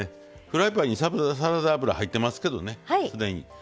フライパンにサラダ油入ってますけどね、すでに。